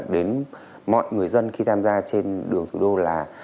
đến mọi người dân khi tham gia trên đường thủ đô là